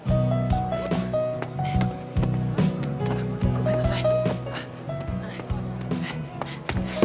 ごめんなさい。